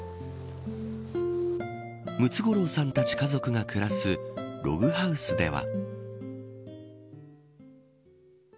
ムツゴロウさんたち家族が暮らすログハウスでは。